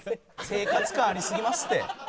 生活感ありすぎますって。